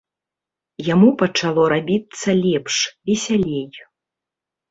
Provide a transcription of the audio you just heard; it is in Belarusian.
Яму пачало рабіцца лепш, весялей.